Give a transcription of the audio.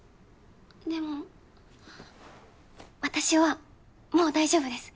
でも私はもう大丈夫です